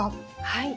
はい。